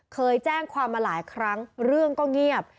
เคยแจ้งความมาหลายครั้งเรื่องก็เงียบ